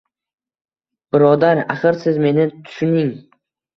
Birodar, axir, siz meni tushuning